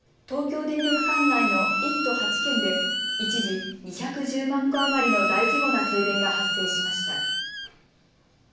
東京電力管内の１都８県で一時、２１０万戸余りの大規模な停電が発生しました。